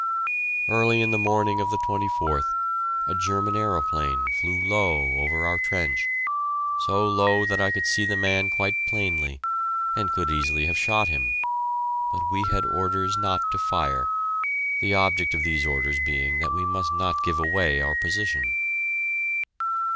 Early in the morning of the 24th, a German aeroplane flew low over our trench, so low that I could see the man quite plainly, and could easily have shot him, but we had orders not to fire the object of these orders being that we must not give away our position.